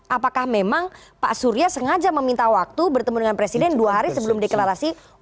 apakah memang pak surya sengaja meminta waktu bertemu dengan presiden dua hari sebelum deklarasi